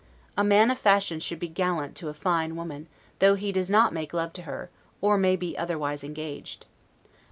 A man of fashion should be gallant to a fine woman, though he does not make love to her, or may be otherwise engaged.